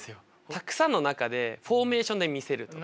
たくさんの中でフォーメーションで見せるとか。